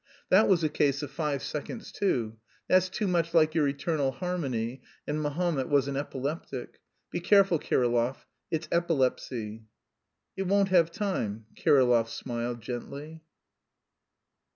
That was a case of five seconds too; that's too much like your eternal harmony, and Mahomet was an epileptic. Be careful, Kirillov, it's epilepsy!" "It won't have time," Kirillov smiled gently.